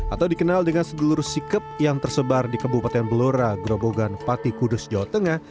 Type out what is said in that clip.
atau dikenal dengan segelur sikep yang tersebar di kabupaten belora grobogan pati kudus jawa tengah